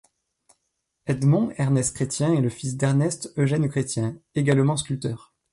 Edmond-Ernest Chrétien est le fils d'Ernest-Eugène Chrétien, également sculpteur.